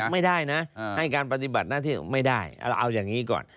ไม่ได้นะให้การปฏิบัติหน้าที่ไม่ได้เอาอย่างนี้ก่อน